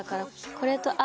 これとＲ